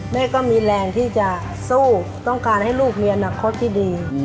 แม่ก็มีแรงที่จะสู้ต้องการให้ลูกมีอนาคตที่ดี